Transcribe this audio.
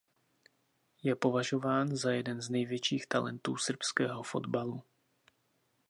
Je považován za jeden z největších talentů srbského fotbalu.